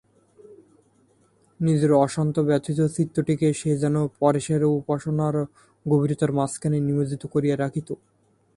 নিজের অশান্ত ব্যথিত চিত্তটিকে সে যেন পরেশের উপাসনার গভীরতার মাঝখানে নিমজ্জিত করিয়া রাখিত।